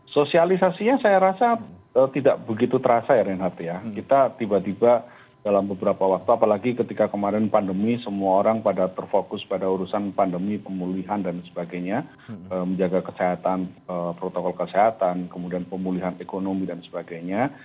sosialisasinya saya rasa tidak begitu terasa ya reinhardt ya kita tiba tiba dalam beberapa waktu apalagi ketika kemarin pandemi semua orang pada terfokus pada urusan pandemi pemulihan dan sebagainya menjaga kesehatan protokol kesehatan kemudian pemulihan ekonomi dan sebagainya